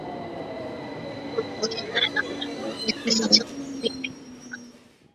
克隆有时候是指成功地鉴定出某种显性的基因。